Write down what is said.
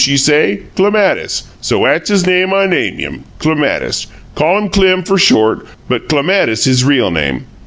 she say. 'Clematis.' So 'at's name I name him, Clematis. Call him Clem fer short, but Clematis his real name.